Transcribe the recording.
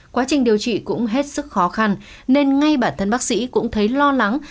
quá trình điều trị cũng hết sức khó khăn nên ngay bản thân bác sĩ cũng thấy lo lắng